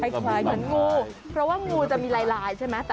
ใครควายเหมือนงูเพราะว่างงูจะมีลายหลายใช่ไหม